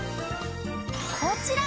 こちら！